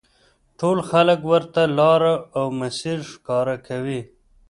ټول خلک ورته لاره او مسیر ښکاره کوي.